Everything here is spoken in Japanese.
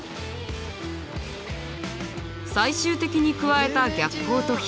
最終的に加えた逆光と火花。